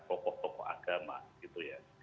pokok pokok agama gitu ya